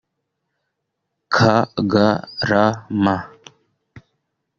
Kagarama